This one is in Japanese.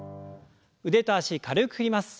腕と脚軽く振ります。